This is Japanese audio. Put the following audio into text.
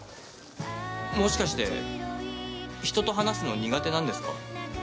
もしかして人と話すの苦手なんですか？